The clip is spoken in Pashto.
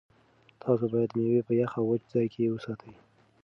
تاسو باید مېوې په یخ او وچ ځای کې وساتئ.